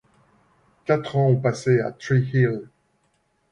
Quatre ans ont passé à Tree Hill.